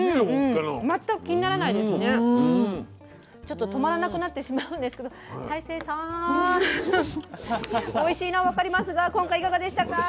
ちょっと止まらなくなってしまうんですけど大聖さんおいしいのは分かりますが今回いかがでしたか？